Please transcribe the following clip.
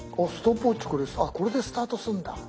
あっこれでスタートするんだ。